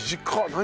何？